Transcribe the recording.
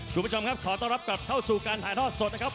คุณผู้ชมครับขอต้อนรับกลับเข้าสู่การถ่ายทอดสดนะครับ